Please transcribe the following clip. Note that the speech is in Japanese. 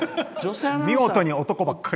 見事に男ばっかり。